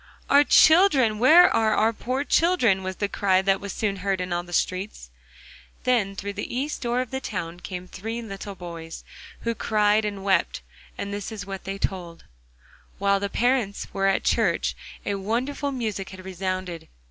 'Our children! where are our poor children?' was the cry that was soon heard in all the streets. Then through the east door of the town came three little boys, who cried and wept, and this is what they told: While the parents were at church a wonderful music had resounded.